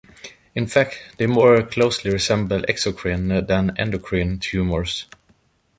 In fact, they more closely resemble exocrine than endocrine tumors.